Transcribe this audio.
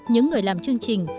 những người làm chương trình